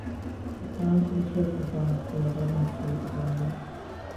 The plans for the church were drawn up George Edmund Street of London.